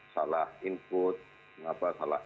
salah input salah